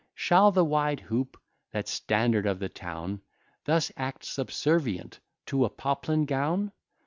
Shall the wide hoop, that standard of the town, Thus act subservient to a poplin gown?